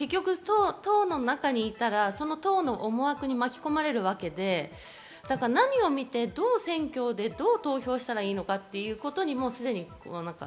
党の中にいたら、その思惑に巻き込まれるわけで、何を見てどう選挙でどう投票したらいいのか。